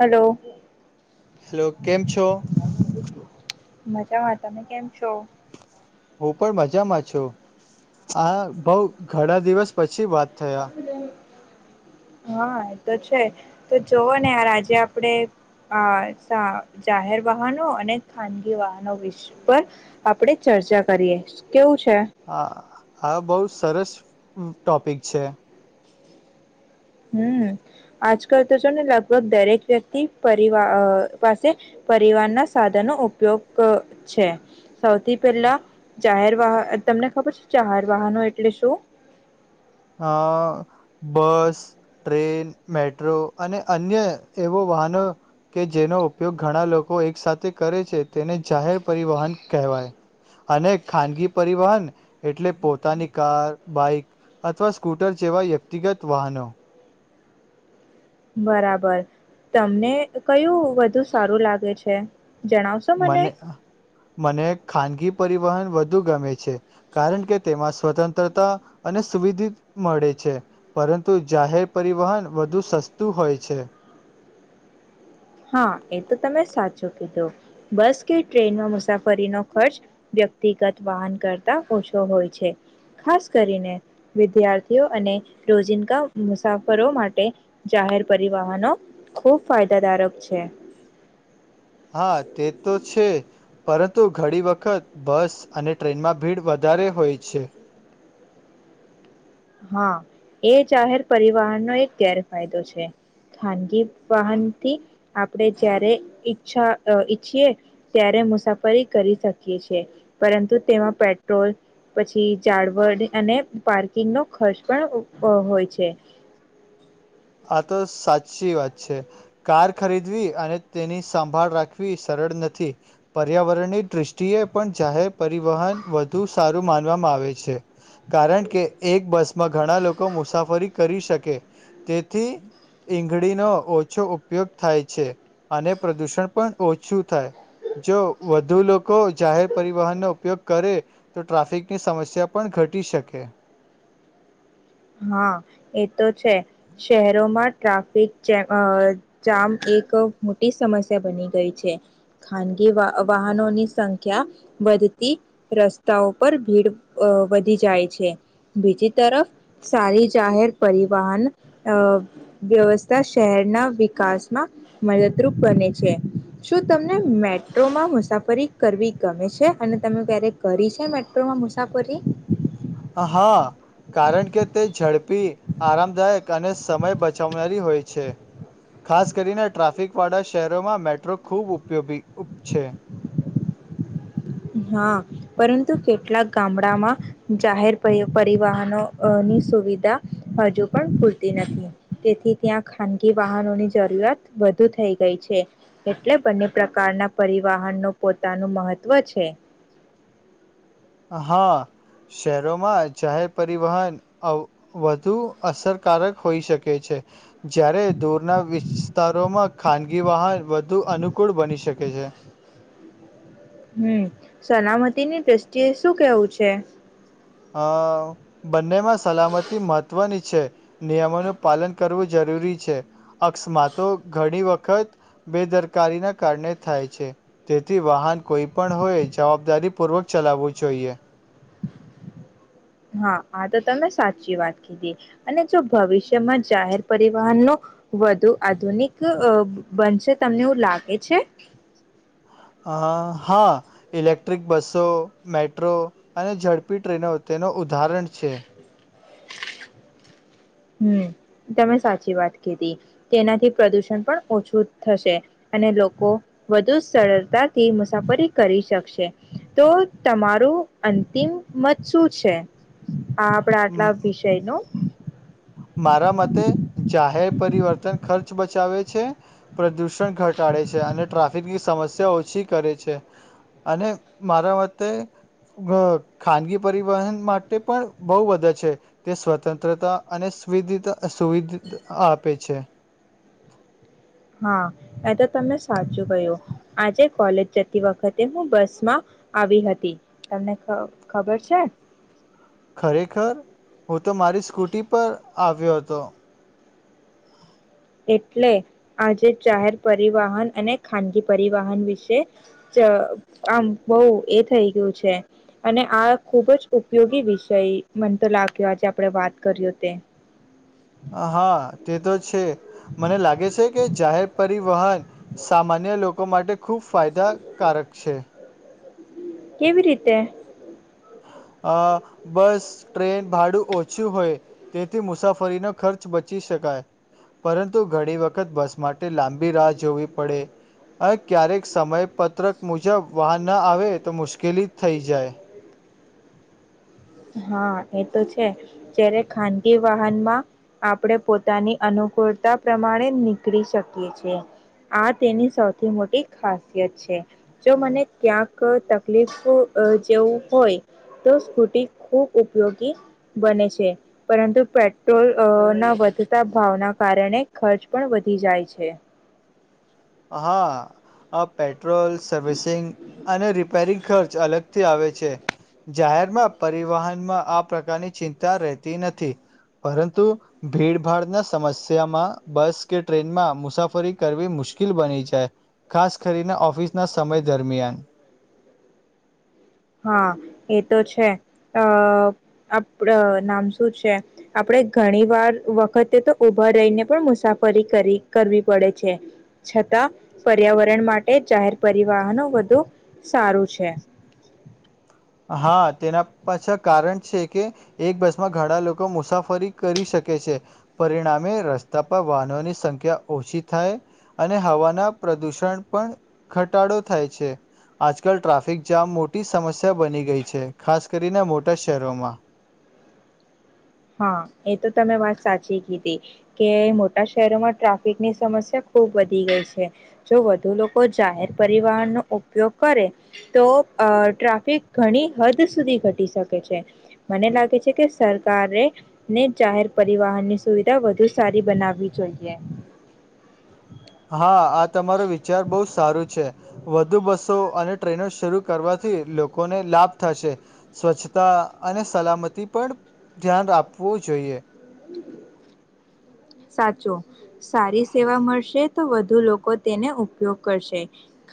Hello. Hello કેમ છો? મજામાં તમે કેમ છો? હું પણ મજામાં છું, આ બઉ ઘણા દિવસ પછી વાત થયા [unintelligible] હા, એ તો છે તો જોવો ને આજે આપડે આ જાહેર વાહનો અને ખાનગી વાહનો વિષય પર આપડે ચર્ચા કરીએ, કેવું છે હા હા બઉ સરસ ટોપિક છે. હમ્મ આજકાલ તો જો ને લગભગ દરેક વ્યક્તિ પરિવાઅ પાસે પરિવારના સાધનો ઉપયોગ છે. સૌથી પહેલા જાહેર વાહન તમને ખબર છે, જાહેર વાહનો એટલે શું? હા, બસ, ટ્રેન, મેટ્રો અને અન્ય એવો વાહનો કે જેનો ઉપયોગ ઘણા લોકો એક સાથે કરે છે, તેને જાહેર પરિવહન કહેવાય અને ખાનગી પરિવહન એટલે પોતાની કાર, બાઈક. અથવા સ્કૂટર જેવા વ્યક્તિગત વાહનો. બરાબર તમને કયું વધુ સારું લાગે છે, મને મને ખાનગી પરિવહન વધુ ગમે છે, કારણ કે તેમાં સ્વતંત્રતા અને સુવિધિત મળે છે પરંતુ જાહેર પરિવહન વધુ સસ્તું હોય છે. હા, એ તો તમે સાચું કીધું બસ કે ટ્રેનમાં મુસાફરીનો ખર્ચ વ્યક્તિગત વાહન કરતા ઓછો હોય છે, ખાસ કરીને વિદ્યાર્થીઓ અને રોજિંન્કા મુસાફરો માટે જાહેર પરિવહનો ખૂબ ફાયદાદારક. છે. હા, તે તો છે પરંતુ ઘણી વખત બસ અને ટ્રેનમાં ભીડ વધારે હોય છે. હા, એ જાહેર પરિવહનનો એક ગેરફાયદો છે, ખાનગી વાહનથી આપડે જ્યારે ઈચછા ઈચ્છીએ ત્યારે મુસાફરી કરી શકીએ છે, પરંતુ તેમાં પેટ્રોલ પછી જાળવળ અને પાર્કિંગનો ખર્ચ પણ હોય છે. આ તો સાચી વાત છે કાર ખરીદવી અને તેની સંભાળ રાખવી સરળ નથી, પર્યાવરણની દ્રષ્ટિએ પણ જાહેર પરિવહન વધુ સારું માનવામાં આવે છે, કારણ કે એક બસમાં ઘણા લોકો મુસાફરી કરી શકે. તેથી ઈંગળીનો ઓછો ઉપયોગ થાય છે, અને પ્રદુષણ પણ ઓછું થાય જો વધુ લોકો જાહેર પરિવહનનો ઉપયોગ કરે તો ટ્રાફિકની સમસ્યા પણ ઘટી શકે. હા એ તો છે શહેરોમાં ટ્રાફિક છે, અ જામ એક મોટી સમસ્યા બની ગઈ છે, ખાન ગી વ વાહનોની સં ખ્યા વધતી રસ્તાઓ પર ભીડ વધી જાય છે, બીજી તરફ સારી જાહેર પરિવાહન અ વ્યવસ્થા શહેરના વિકાસમાં મદદરૂપ બને છે, શું તમને મેટ્રોમાં મુસાફરી કરવી ગમે છે? અને તમે ક્યારેક કરી છે? મેટ્રોમાં મુસાફરી હા કારણ કે તે ઝડપી આરામદાયક અને સમય બચાવનારી હોય છે ખાસ કરીને ટ્રાફિક વાળા શહેરોમાં મેટ્રો ખૂબ ઉપયોગી ઉપ છે. હા પરંતુ કેટલાક ગામડામાં જાહેર પરી પરિવાહનોની સુવિધા હજુ પણ ભૂલતી નથી તેથી ત્યાં ખાનગી વાહનોની જરૂરિયાત વધુ થઈ ગઈ છે એટલે બંને પ્રકારના પરિવાહનનું પોતાનું મહત્ત્વ છે. હા શહેરોમાં જાહેર પરિવહન અવ વધુ અસરકારક હોઈ શકે છે. જયારે દૂરના વિસ્તારોમાં ખાનગી વાહન વધુ અનુકૂળ બની શકે છે હમ સલામતીની દ્રષ્ટિએ શું કેવું છે હા બંનેમાં સલામતી મહત્ત્વની છે નિયમોનું પાલન કરવું જરૂરી છે અકસ્માતો ઘણી વખત બેદરકારીના કારણે થાય છે તેથી વાહન કોઈ પણ હોય જવાબદારી પૂર્વક ચલાવવું જોઈએ હા આ તો તમે સાચી વાત કીધી અને જો ભવિષ્યમાં જાહેર પરિવહન નુ વધુ આધુનિક બનશે તમને એવું લાગે છે અ હા ઇલેક્ટ્રિક બસો મેટ્રો અને ઝડપી ટ્રેનો તેનું ઉદાહરણ છે હમ તમે સાચી વાત કીધી તેનાથી પ્રદૂષણ પણ ઓછું થશે અને લોકો વધુ સરળતાથી મુસાફરી કરી શકશે તો તમારું અંતિમ મત શું છે હા આપડા આટલા મ વિષય નો મારા મતે જાહેબ પરિવર્તન ખર્ચ બચાવે છે પ્રદૂષણ પણ ઘટાડે છે અને ટ્રાફિકની સમસ્યા ઓછી કરે છે અને મારા મતે ખાનગી પરિવહન માટે પણ બહુ બધા છે તે સ્વતંત્રતા અને સુવધીતા સુવિધ આપે છે હા એ તો તમે સાચું કહ્યું આજે કોલેજ જતી વખતે હું બસમાં આવી હતી તમને ખબર છે ખરેખર હું તો મારી સ્કૂટી પર આવ્યો હતો એટલે આજે જાહેર પરિવહન અને ખાનગી પરિવહન વિશે આમ બહુ એ થઈ ગયું છે અને આ ખુબ જ ઉપયોગી વિષય મનતો લાગ્યો આજે આપણેે વાત કરીએઓ તે હા તે તો છે મને લાગે છે કે જાહેર પરિવહન સામાન્ય લોકો માટે ખૂબ ફાયદાકારક છે કેવી રીતે અ બસ ટ્રેન ભાડું ઓછું હોય તેથી મુસાફરીનો ખર્ચ બચી શકાય પરંતુ ઘણી વખત બસ માટે લાંબી રાહ જોવી પડે ક્યારેક સમય પત્રક મુજબ વાહન ના આવે તો મુશ્કેલી થઈ જાય હા એ તો છે જ્યારે ખાનગી વાહનમાં આપણે પોતાની અનુકૂળતા પ્રમાણે નીકળી શકીએ છેએ આ તેની સૌથી મોટી ખાસિયત છે જો મને ક્યાં તકલીફ જેવું હોય તો સ્કૂટી ખૂબ ઉપયોગી બને છે પરંતુ પેટ્રોલ ના વધતા ભાવના કારણે ખર્ચ પણ વધી જાય છે હા અ પેટ પેટ્રોલ સર્વિસિંગ અને રિપેરિંગ ખર્ચ અલગ આવે છે જાહેરમાં પરિવહનમાં આ પ્રકારની ચિંતા રહેતી નથી પરંતુ ભીડભાડના સમસ્યામાં બસ કે ટ્રેનમાં મુસાફરી કરવી મુશ્કે મુશ્કેલ બની જાય ખાસ કરીને ઓફિસના સમય દરમિયાન હા એ તો છે અ આપ નામ શું છે આપણેે ઘણી વાર વખતે તો ઊભા રહીને પણ મુસાફરી કરી કરવી પડે છે છતાં પર્યાવરણ માટે જાહેર પરિવાહનો વધુ સારું છે. હા તેના પાછા કારણ છે કે એક બસમાં ઘણા લોકો મુસાફરી કરી શકે છે પરિણામે રસ્તા પર વાહનોની સંખ્યા ઓછી થાય અને હવાના પ્રદુષણ પણ ઘટાડો થાય છે આજકાલ ટ્રાફિક જામ મોટી સમસ્યા બની ગઈ છે ખાસ કરીને મોટા શહેરોમાં. હા એ તો તમે વાત સાચી કીધી કે મોટા શહેરોમાં ટ્રાફિકની સમસ્યા ખુબ વધી ગઈ છે. જો વધુ લોકો જાહેર પરિવહનનોો ઉપયોગ કરે તો અ ટ્રાફિક ઘણી હદ સુધી ઘટી શકે છે મને લાગે છે કે સરકાર [unintelligible] ને જાહેર પરિવહનની સુવિધા વધુ સારી બનાવવી જોઈએ. હા આ આ તમારો વિચાર બહુ સારો છે. વધુ બસો અને ટ્રેનો શરૂ કરવાથી લોકોને લાભ થશે, સ્વચ્છતા અને સલામતી પણ ધ્યાન રાવું જોઈએ. સાચો સારી સેવા મળશે તો વધુ લોકો તેને ઉપયોગ કરશે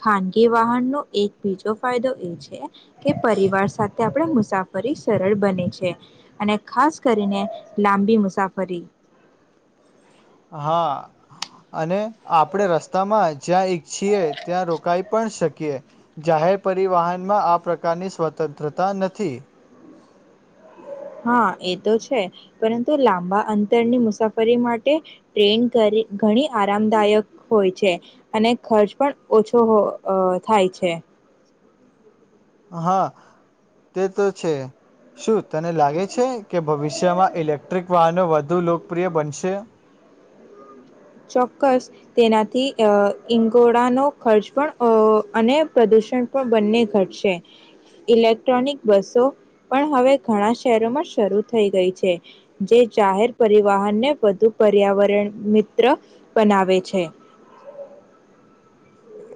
ખાનગી વાહનનો એક બીજો ફાયદો એ છે કે પરિવાર સાથે આપણે મુસાફરી સરળ બને છે અને ખાસ કરીને લાંબી મુસાફરી હા અને આપણે રસ્તામાં જ્યાં ઈચ્છીએ ત્યાં રોકાઈ પણ શકીએ જાહેર પરિવહનમાં આ પ્રકારની સ્વતંત્રતા નથી. હા એ તો છે પરંતુ લાંબા અંતરની મુસાફરી માટે ટ્રેન ઘણી આરામદાયક હોય છે અને ખર્ચ પણ ઓછો થાય છે. હા તે તો છે શું તને લાગે છે કે ભવિષ્યમાં ઇલેક્ટ્રિક વાહનો વધુ લોકપ્રિય બનશે? ચોક્કસ તેનાથી અ ઈંગોળાનો ખર્ચ પણ અને પ્રદુષણ પણ બંને ઘટશે ઇલેક્ટ્રોનિક બસો પણ હવે ઘણા શહેરોમાં શરૂ થઈ ગઈ છે જે જાહેર પરિવહનને વધુ પર્યાવરણ ત્ર બનાવે છે.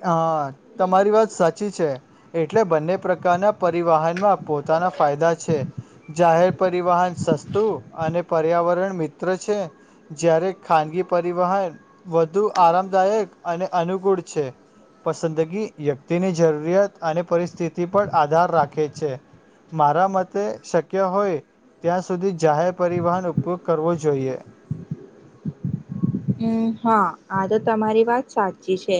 હા. તમારી વાત સાચી છે. એટલે બંને પ્રકારના પરિવાહનમાં પોતાના ફાયદા છે જાહેર પરિવાહન સસ્તું અને પર્યાવરણ મિત્ર છે જ્યારે ખાનગી પરિવહન વધુ આરામદાયક અને અનુકૂળ છે. પસંદગી વ્યક્તિની જરૂરિયાત અને પરિસ્થિતિ પર આધાર રાખે છે મારા મતે શક્ય હોય ત્યાં સુધી જાહેર પરિવાહન ઉપયોગ કરવો જોઈએ. હમ્મ હા આ તો તમારી વાત સાચી છે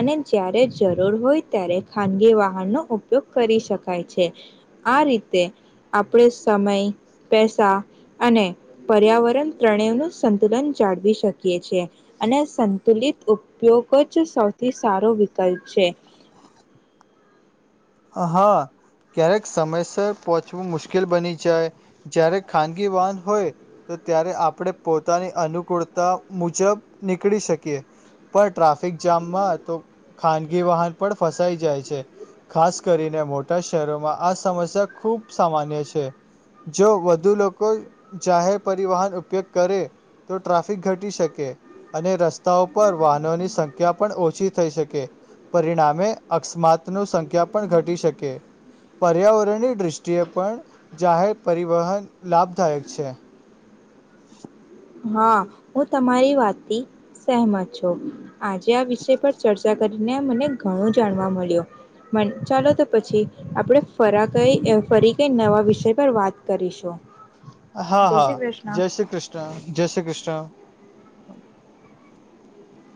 અને જ્યારે જરૂર હોય ત્યારે ખાનગી વાહનનો ઉપયોગ કરી શકાય છે આ રીતે આપણે સમય પેસા અને પર્યાવરણ ત્રણેય નું સંતુલન જાળવી શકીએ [unintelligible] છે અને સંતુલિત ઉપયોગ જ સૌથી સારો વિકલ્પ છે. હા ક્યારેક સમયસર પહોંચવું મુશ્કેલ બની જાય જ્યારે ખાનગી વાહન હોય તો ત્યારે આપણે પોતાની અનુકૂળતા મુજબ નીકળી શકીએ પણ ટ્રાફિક જામમાં તો ખાનગી વાહન પણ ફસાઈ જાય છે. ખાસ કરીને મોટા શહેરોમાં આ સમસ્યા ખુબ સામાન્ય છે જો વધુ લોકો જાહેર પરિવહન ઉપયોગ કરે તો ટ્રાફિક ઘટી શકે અને રસ્તાઓ પર વાહનોની સંખ્યા પણ ઓછી થઈ શકે પરિણામે અકસ્માતનું જગ્યા પણ ઘટી શકે પર્યાવરણની દ્રષ્ટિએ પણ જાહેર પરિવહન લાભદાયક છે. [inaudible] હા હું તમારી વાતથી સહમત છું. આજે આ વિષય પર ચર્ચા કરી ને મને ઘણું જાણવા મળ્યું મ ચાલો તો પછી આપણે ફરા કઈ ફરી કઈ નવા વિષય પર વાત કરીશું. હા જય હા શ્રી કૃષ્ણ. જય શ્રી કૃષ્ણ. જય શ્રી કૃષ્ણ.